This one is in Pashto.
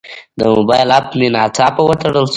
د موبایل اپ مې ناڅاپه وتړل شو.